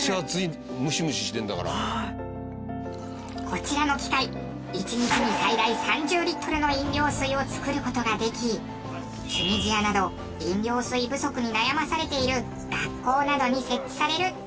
こちらの機械１日に最大３０リットルの飲料水を作る事ができチュニジアなど飲料水不足に悩まされている学校などに設置されるとの事です。